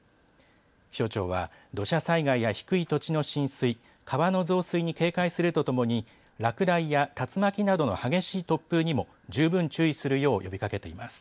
気象庁は土砂災害や低い土地の浸水、川の増水に警戒するとともに落雷や竜巻などの激しい突風にも十分注意するよう呼びかけています。